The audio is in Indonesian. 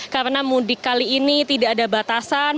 karena mudik kali ini tidak ada batasan